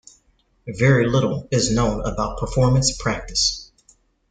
Very little is known about performance practice.